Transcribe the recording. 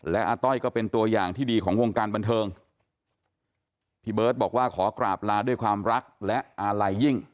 และอาต้อยก็เป็นตัวอย่างที่ดีของวงการบันเทิงพี่เบิร์ตบอกว่าขอกราบลาด้วยความรักและอาลัยยิ่ง